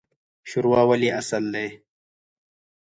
شورا ولې اصل دی؟